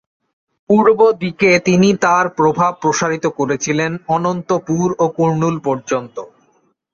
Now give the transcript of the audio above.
পূর্ব দিকে তিনি তাঁর প্রভাব প্রসারিত করেছিলেন অনন্তপুর ও কুর্নুল পর্যন্ত।